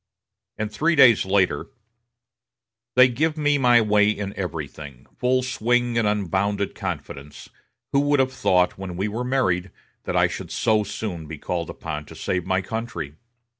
And three days later: "They give me my way in everything, full swing and unbounded confidence.... Who would have thought, when we were married, that I should so soon be called upon to save my country?"